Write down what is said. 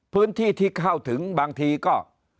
พื้นที่ที่เข้าถึงบางทีก็